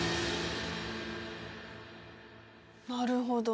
なるほど。